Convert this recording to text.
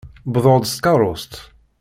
Wwḍeɣ-d s tkeṛṛust.